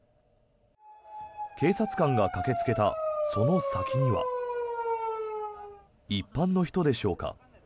警察官が駆けつけたその先には一般の人でしょうか。